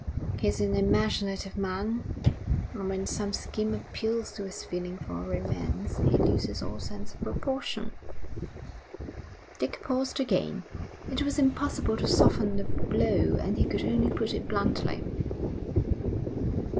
He's an imaginative man, and when some scheme appeals to his feeling for romance, he loses all sense of proportion.' Dick paused again. It was impossible to soften the blow, and he could only put it bluntly.